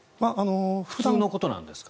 普通のことなんですか？